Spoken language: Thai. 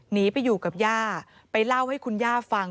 หนีไปอยู่กับย่าไปเล่าให้คุณย่าฟัง